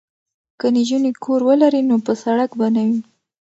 که نجونې کور ولري نو په سړک به نه وي.